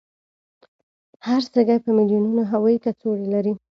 هر سږی په میلونونو هوایي کڅوړې لري.